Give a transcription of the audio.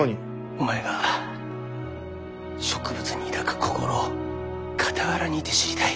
お前が植物に抱く心を傍らにいて知りたい。